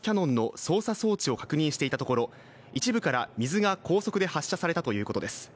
装置を確認していたところ、一部から水が高速で発射されたということです。